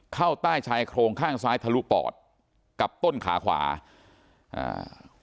เข้าใต้ชายโครงข้างซ้ายทะลุปอดกับต้นขาขวาอ่า